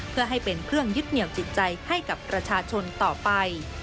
เพื่อให้เป็นเครื่องยึดเหนียวจิตใจให้กับประชาชนต่อไป